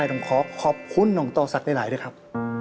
อ้าน้องขอขอบคุณน้องตอสัตว์ได้หลายด้วยครับ